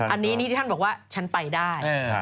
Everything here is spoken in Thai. อันนี้นี่ที่ท่านบอกว่าฉันไปได้